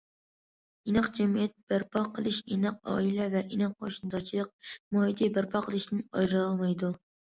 ئىناق جەمئىيەت بەرپا قىلىش ئىناق ئائىلە ۋە ئىناق قوشنىدارچىلىق مۇھىتى بەرپا قىلىشتىن ئايرىلالمايدۇ.